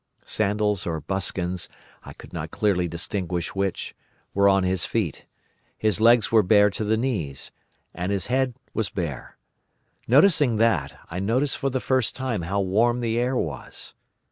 Sandals or buskins—I could not clearly distinguish which—were on his feet; his legs were bare to the knees, and his head was bare. Noticing that, I noticed for the first time how warm the air was.